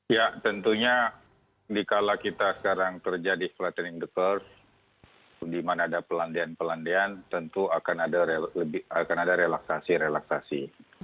ya tentunya dikala kita sekarang terjadi flattening the curve di mana ada pelandean pelandean tentu akan ada relaksasi relaksasi